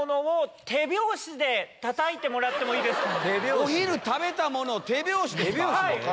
お昼食べたものを手拍子ですか